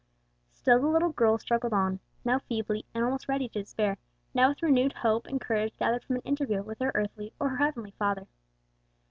Still the little girl struggled on, now feebly and almost ready to despair, now with renewed hope and courage gathered from an interview with her earthly or her heavenly Father.